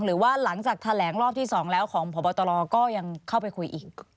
หรือว่าหลังจากแถลงรอบที่๒แล้วของพบตรก็ยังเข้าไปคุยอีก